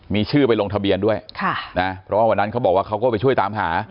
มีชื่อไปลงทะเบียนด้วยค่ะนะเพราะว่าวันนั้นเขาบอกว่าเขาก็ไปช่วยตามหา